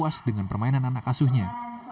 puas dengan permainan anak asuhnya